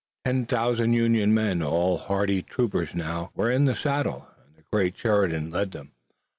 Ten thousand Union men, all hardy troopers now, were in the saddle, and the great Sheridan led them.